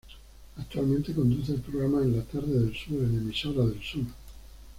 Actualmente conduce el programa "En la Tarde del Sur" en Emisora del Sur.